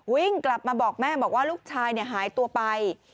วิ่งกลับมาบอกแม่บอกว่าลูกชายหายตัวไป